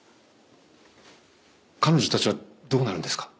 彼女たちはどうなるんですか？